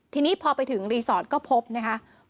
ทีนี้พอไปถึงรีสอร์ทก็พบนะคะ